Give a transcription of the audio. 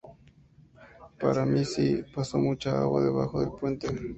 Para mí sí, pasó mucha agua debajo del puente.